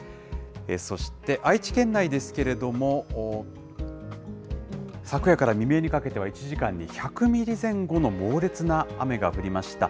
そして、愛知県内ですけれども、昨夜から未明にかけては１時間に１００ミリ前後の猛烈な雨が降りました。